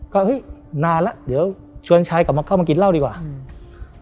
ก็เฮ้ยนานแล้วเดี๋ยวชวนชายกลับมาเข้ามากินเหล้าดีกว่าอืม